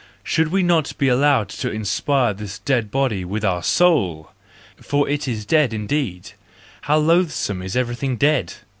Should we not be allowed to inspire this dead body with our soul? for it is dead indeed : how loathsome is everything dead